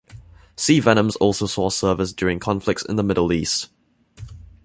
Sea Venoms also saw service during conflicts in the Middle East.